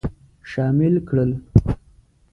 شامل کړل.